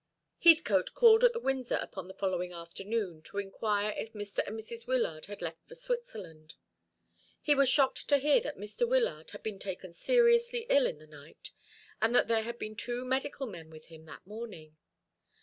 Heathcote called at the Windsor upon the following afternoon, to inquire if Mr. and Mrs. Wyllard had left for Switzerland. He was shocked to hear that Mr. Wyllard had been taken seriously ill in the night, and that there had been two medical men with him that morning.